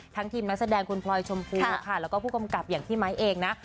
ทีมนักแสดงคุณพลอยชมพูค่ะแล้วก็ผู้กำกับอย่างพี่ไมค์เองนะ